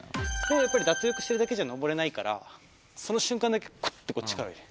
やっぱり脱力してるだけじゃ登れないから、その瞬間だけ、くっとこう、力を入れて。